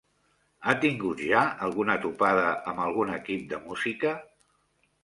Ha tingut ja alguna topada amb algun equip de música?